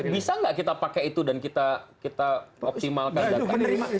bisa nggak kita pakai itu dan kita optimalkan data